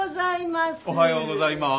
おはようございます！